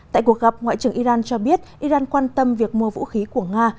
tại cuộc gặp ngoại trưởng iran cho biết iran quan tâm việc mua vũ khí của nga